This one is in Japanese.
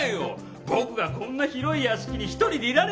僕がこんな広い屋敷に１人でいられるわけないだろ。